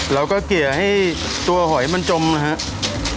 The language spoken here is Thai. เกลี่ยให้ตัวหอยมันจมนะครับ